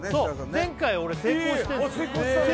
前回俺成功してんすよ